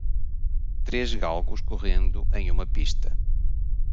Três galgos correndo em uma pista